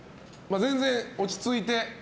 全然、落ち着いて。